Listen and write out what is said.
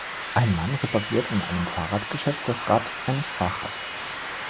Ein Mann repariert in einem Fahrradgeschäft das Rad eines Fahrrads.